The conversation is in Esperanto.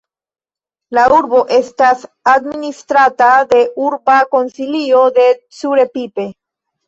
La urbo estas administrata de Urba Konsilio de Curepipe.